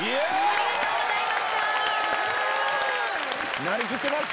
ありがとうございます。